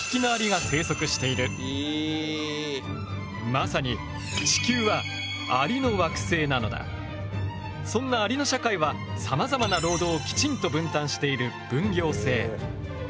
まさに地球はそんなアリの社会はさまざまな労働をきちんと分担している分業制。